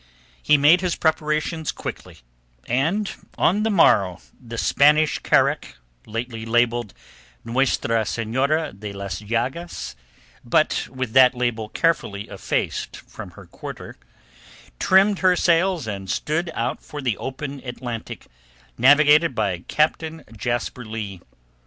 He made his preparations quickly, and on the morrow the Spanish carack—lately labelled Nuestra Senora de las Llagas, but with that label carefully effaced from her quarter—trimmed her sails and stood out for the open Atlantic, navigated by Captain Jasper Leigh.